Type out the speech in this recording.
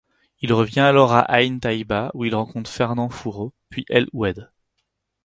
Il revient alors à Aïn Taïba où il rencontre Fernand Foureau, puis El Oued.